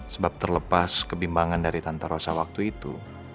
sebab terlepas kebimbangan dari tante rosa waktu itu